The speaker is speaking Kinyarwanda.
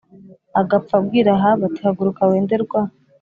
Agapfa abwira ahabu ati haguruka wende rwa